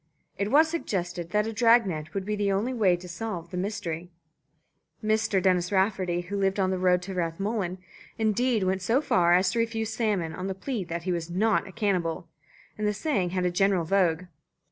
It was suggested that a drag net would be the only way to solve the mystery. Mr. Dennis Rafferty, who lived on the road to Rathmullen, indeed, went so far as to refuse salmon on the plea that he was not a cannibal, and the saying had a general vogue.